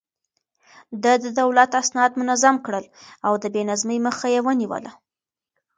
ده د دولت اسناد منظم کړل او د بې نظمۍ مخه يې ونيوله.